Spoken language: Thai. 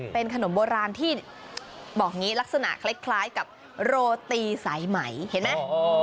เป็นขนมโบราณที่ลักษณะคล้ายกับโรตีสายไหมเห็นไหม